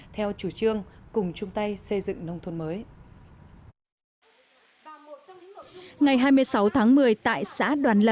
theo chủ trương cùng trung tây xây dựng nông thôn mới